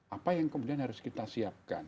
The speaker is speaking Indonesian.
apa yang kemudian harus kita siapkan